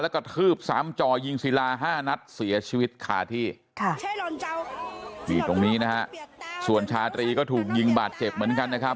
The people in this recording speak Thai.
แล้วก็ทืบซ้ำจ่อยิงศิลาห้านัดเสียชีวิตคาที่ค่ะนี่ตรงนี้นะฮะส่วนชาตรีก็ถูกยิงบาดเจ็บเหมือนกันนะครับ